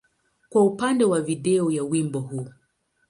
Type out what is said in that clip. kwa upande wa video ya wimbo huu.